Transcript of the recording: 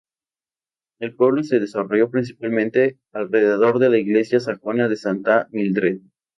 Este pueblo se desarrolló principalmente alrededor de la iglesia sajona de Santa Mildred.